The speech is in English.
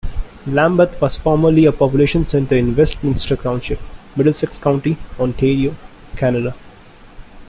Lambeth was formerly a population centre in Westminster Township, Middlesex County, Ontario, Canada.